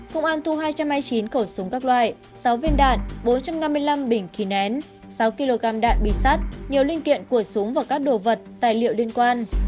công an thu hai trăm hai mươi chín khẩu súng các loại sáu viên đạn bốn trăm năm mươi năm bình khí nén sáu kg đạn bì sắt nhiều linh kiện của súng và các đồ vật tài liệu liên quan